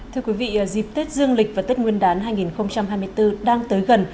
thưa quý vị dịp tết dương lịch và tết nguyên đán hai nghìn hai mươi bốn đang tới gần